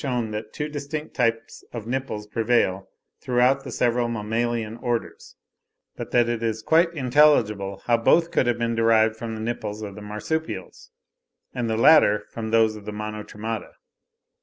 212) that two distinct types of nipples prevail throughout the several mammalian orders, but that it is quite intelligible how both could have been derived from the nipples of the Marsupials, and the latter from those of the Monotremata.